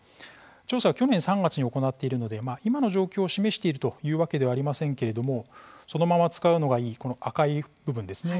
調査は去年３月に行っているので今の状況を示しているというわけではありませんけれどもそのまま使うのがいいこの赤い部分ですね。